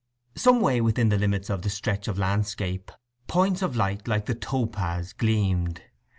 Some way within the limits of the stretch of landscape, points of light like the topaz gleamed.